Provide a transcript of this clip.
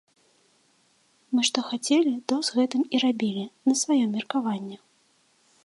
Мы што хацелі, то з гэтым і рабілі на сваё меркаванне.